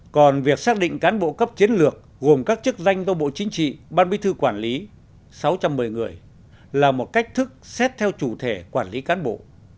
còn việc xác định cán bộ cấp chiến lược gồm các chức danh do bộ chính trị ban bí thư quản lý sáu trăm một mươi người là một cách thức xét theo chủ thể quản lý cán bộ